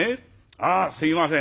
ああすいません。